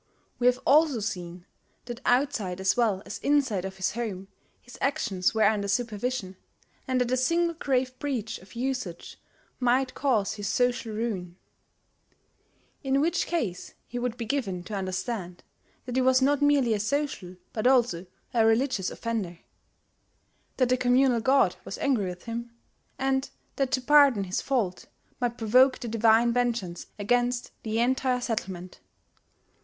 We have also seen that outside as well as inside of his home, his actions were under supervision, and that a single grave breach of usage might cause his social ruin, in which case he would be given to understand that he was not merely a social, but also a religious offender; that the communal god was angry with him; and that to pardon his fault might provoke the divine vengeance against the entire settlement.